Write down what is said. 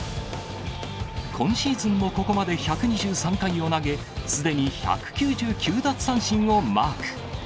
今シーズンもここまで１２３回を投げ、すでに１９９奪三振をマーク。